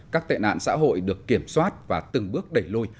các tệ nạn xã hội được kiểm soát và từng bước đẩy lôi